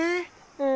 うん。